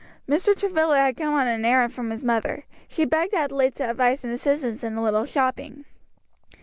Mr. Travilla had come on an errand from his mother; she begged Adelaide's advice and assistance in a little shopping.